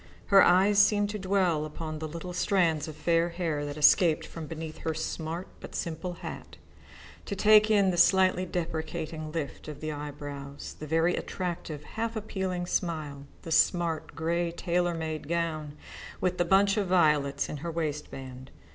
Her eyes seemed to dwell upon the little strands of fair hair that escaped from beneath her smart but simple hat, to take in the slightly deprecating lift of the eyebrows, the very attractive, half appealing smile, the smart grey tailor made gown with the bunch of violets in her waistband.